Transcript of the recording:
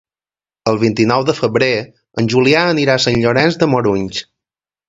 El vint-i-nou de febrer en Julià anirà a Sant Llorenç de Morunys.